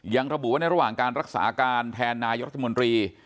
ระบุว่าในระหว่างการรักษาการแทนนายกรัฐมนตรี